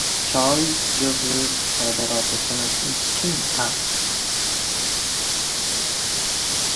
چای جزو صادرات سنتی چین است.